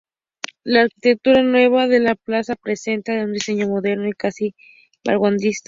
La arquitectura nueva de la plaza presenta un diseño moderno y casi vanguardista.